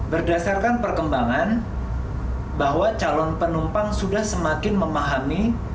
berdasarkan perkembangan bahwa calon penumpang sudah semakin memahami